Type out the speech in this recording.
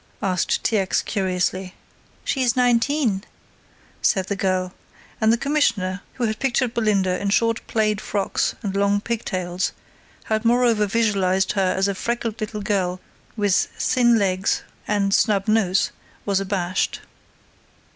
asked T. X. curiously. "She is nineteen," said the girl, and the Commissioner, who had pictured Belinda in short plaid frocks and long pigtails, and had moreover visualised her as a freckled little girl with thin legs and snub nose, was abashed.